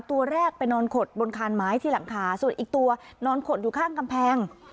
ตัวแรกไปนอนขดบนคานไม้ที่หลังคาส่วนอีกตัวนอนขดอยู่ข้างกำแพง